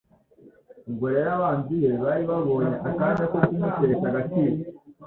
Ubwo rero abanzi be bari babonye akanya ko kumutesha agaciro.